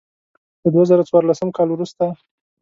له دوه زره څوارلسم کال وروسته.